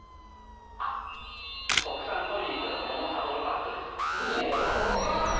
国産鶏肉ももサドルパックです。